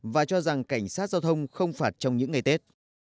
và cho rằng cảnh sát giao thông không phạt trong những ngày tết